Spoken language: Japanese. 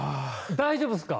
大丈夫ですか？